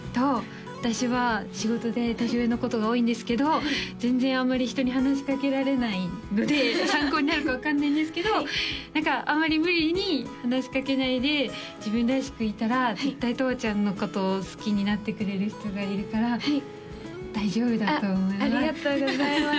私は仕事で年上なことが多いんですけど全然あんまり人に話しかけられないので参考になるか分かんないんですけど何かあまり無理に話しかけないで自分らしくいたら絶対とわちゃんのことを好きになってくれる人がいるから大丈夫だと思います